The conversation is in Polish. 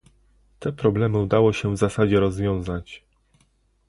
Te problemy udało się w zasadzie rozwiązać